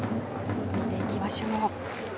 見ていきましょう。